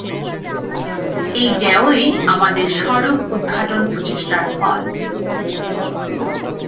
এই জ্ঞেয়ই আমাদের স্বরূপ-উদ্ঘাটন-প্রচেষ্টার ফল।